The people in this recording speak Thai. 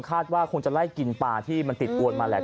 คาดว่าคงจะไล่กินปลาที่มันติดอวนมาแหละ